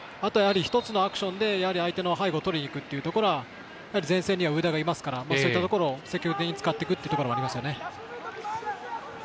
１つのアクションで相手の背後を取りにいくというところは前線には上田がいますからそういったところを積極的に使っていくのがありますね。